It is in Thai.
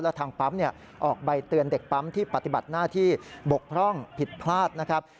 และทางปั๊มออกใบเตือนเด็กปั๊มที่ปฏิบัติหน้าที่บกพร่องผิดพลาดนะครับ